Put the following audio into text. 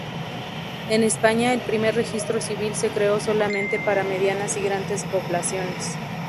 En España, el primer Registro Civil se creó solamente para medianas y grandes poblaciones.